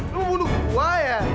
lo mau bunuh gua ya